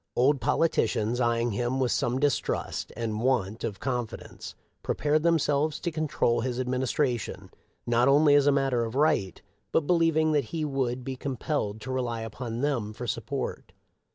Old politi cians, eying him with some distrust and want of con fidence, prepared themselves to control his adminis tration, not only as a matter of right, but believing that he would be compelled to rely upon them for support.